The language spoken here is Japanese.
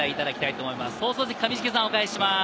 放送席・上重さん、お返しします。